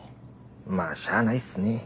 まあしゃあないっすね。